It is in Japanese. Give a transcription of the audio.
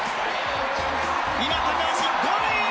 今高橋ゴールイン！